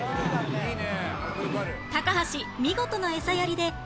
「いいね」